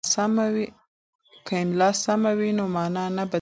که املا سمه وي نو مانا نه بدلیږي.